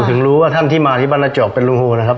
ถึงรู้ว่าท่านที่มาที่บ้านนาจอกเป็นรูหูนะครับ